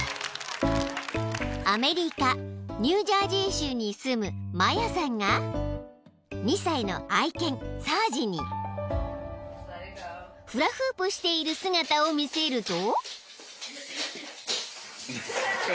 ［アメリカニュージャージー州に住むマヤさんが２歳の愛犬サージにフラフープしている姿を見せると］